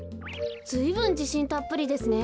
ずいぶんじしんたっぷりですね。